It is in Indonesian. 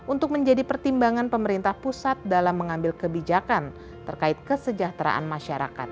untuk menjadi pertimbangan pemerintah pusat dalam mengambil kebijakan terkait kesejahteraan masyarakat